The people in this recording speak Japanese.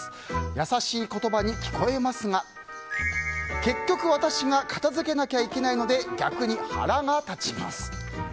優しい言葉に聞こえますが結局、私が片付けなきゃいけないので逆に腹が立ちます。